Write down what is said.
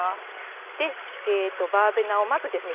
バーベナをまずですね